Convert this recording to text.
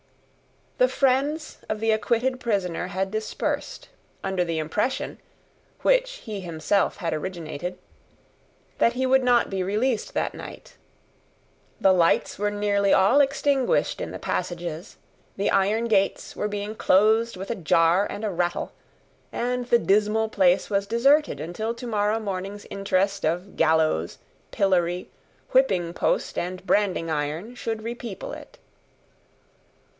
The friends of the acquitted prisoner had dispersed, under the impression which he himself had originated that he would not be released that night. The lights were nearly all extinguished in the passages, the iron gates were being closed with a jar and a rattle, and the dismal place was deserted until to morrow morning's interest of gallows, pillory, whipping post, and branding iron, should repeople it.